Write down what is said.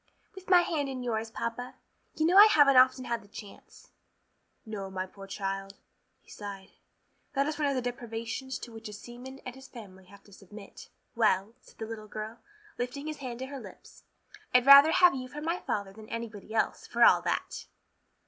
"With my hand in yours, papa. You know I haven't often had the chance." "No, my poor child," he sighed, "that is one of the deprivations to which a seaman and his family have to submit." "Well," said the little girl, lifting his hand to her lips, "I'd rather have you for my father than anybody else, for all that."